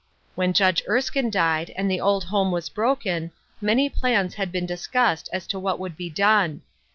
When Judge Erskine died, and the old home was broken, many plans had been discussed as to what would be done.